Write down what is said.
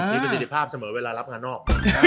มีประสิทธิภาพเสมอเวลารับงานนอก